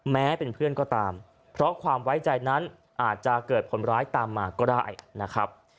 แม้เป็นเพื่อนก็ตามเพราะความไว้ใจนั้นอาจจะเกิดผลร้ายตามมาก็ได้นะครับ